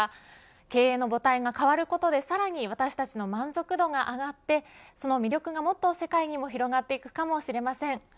経営の母体が変わることでさらに私たちの満足度が上がってその魅力がもっと世界にも広がっていくかもしれません。